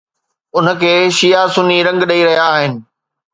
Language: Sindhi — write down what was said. ان کي شيعه سني رنگ ڏئي رهيا آهن.